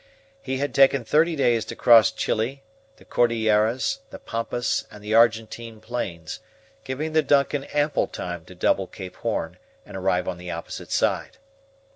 He had taken thirty days to cross Chili, the Cordilleras, the Pampas, and the Argentine plains, giving the DUNCAN ample time to double Cape Horn, and arrive on the opposite side.